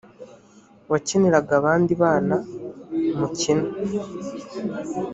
wakeneraga abandi bana mukina